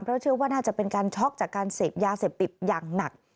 เพราะเชื่อว่าน่าจะเป็นการช็อกจากการเสพยาเสพติดอย่างหนัก